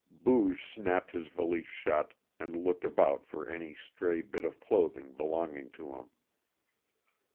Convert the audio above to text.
Booge snapped his valise shut and looked about for any stray bit of clothing belonging to him.